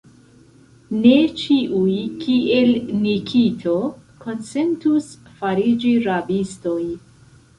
Ne ĉiuj, kiel Nikito, konsentus fariĝi rabistoj!